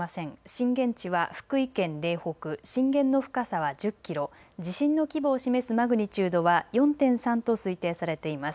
震源地は福井県嶺北、震源の深さは１０キロ、地震の規模を示すマグニチュードは４．３と推定されています。